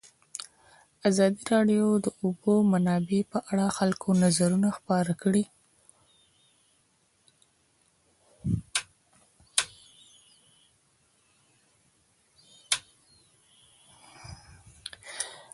ازادي راډیو د د اوبو منابع په اړه د خلکو نظرونه خپاره کړي.